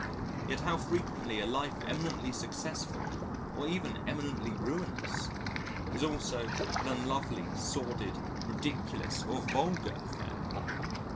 Yet how frequently a life eminently successful or even eminently ruinous is also an unlovely, sordid, ridiculous or vulgar affair!